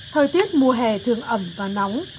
thời tiết mùa hè thường ẩm và nóng